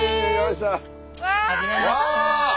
わ！